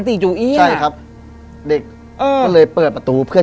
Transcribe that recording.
ติดจูอี้ะเลยหรอ